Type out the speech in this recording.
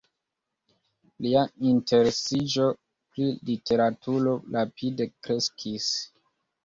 Lia interesiĝo pri literaturo rapide kreskis.